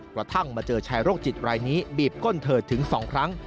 กระทั่งมาเจอชายโรคจิตรายนี้บีบก้นเธอถึง๒ครั้ง